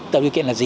tạo điều kiện là gì